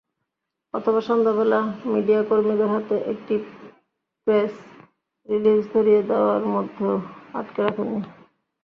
অথবা সন্ধ্যাবেলা মিডিয়াকর্মীদের হাতে একটি প্রেস রিলিজ ধরিয়ে দেওয়ার মধ্যেও আটকে রাখেননি।